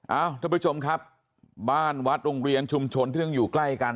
ท่านผู้ชมครับบ้านวัดโรงเรียนชุมชนที่ต้องอยู่ใกล้กัน